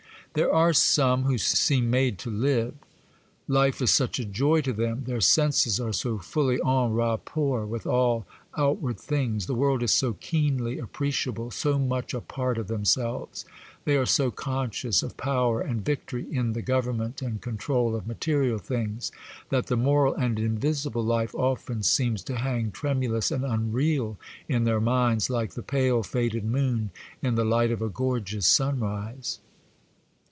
There are some who seem made to live,—life is such a joy to them; their senses are so fully en rapport with all outward things; the world is so keenly appreciable, so much a part of themselves; they are so conscious of power and victory in the government and control of material things, that the moral and invisible life often seems to hang tremulous and unreal in their minds, like the pale, faded moon in the light of a gorgeous sunrise.